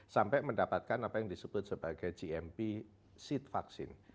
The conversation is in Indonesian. sampai mendapatkan apa yang disebut sebagai gmp seat vaksin